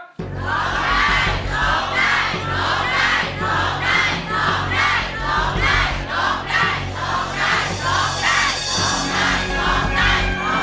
ร้องได้ร้องได้ร้องได้